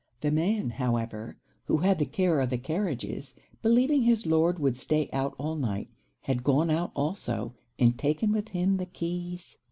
The man, however, who had the care of the carriages, believing his Lord would stay out all night, had gone out also, and taken with him the keys.